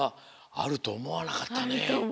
あるとおもわなかった。